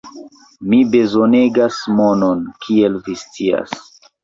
mi bezonegas monon, kiel vi scias.